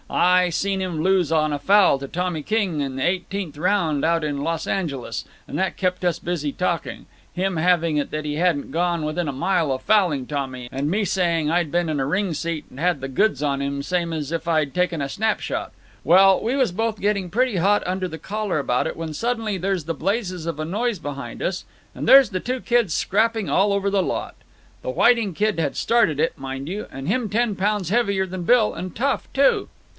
I seen him lose on a foul to Tommy King in the eighteenth round out in Los Angeles, and that kept us busy talking, him having it that he hadn't gone within a mile of fouling Tommy and me saying I'd been in a ring seat and had the goods on him same as if I'd taken a snap shot. Well, we was both getting pretty hot under the collar about it when suddenly there's the blazes of a noise behind us, and there's the two kids scrapping all over the lot. The Whiting kid had started it, mind you, and him ten pounds heavier than Bill, and tough, too."